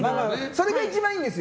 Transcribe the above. それが一番いいんですよ。